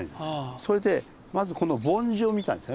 それでまずこの梵字を見たんですよね。